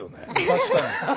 確かに。